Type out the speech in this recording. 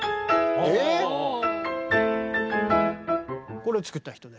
これを作った人で。